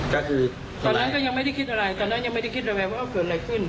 ก็คือตอนนั้นก็ยังไม่ได้คิดอะไรตอนนั้นยังไม่ได้คิดอะไรว่าเกิดอะไรขึ้น